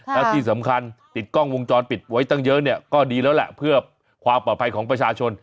แล้วที่สำคัญติดกล้องวงจรปิดไว้ตั้งเยอะเนี่ยก็ดีแล้วแหละเพื่อความปลอดภัยของประชาชน